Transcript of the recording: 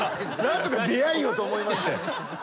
何とか出会いをと思いまして。